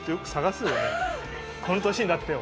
この年になっても。